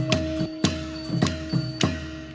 กลับไปที่นี่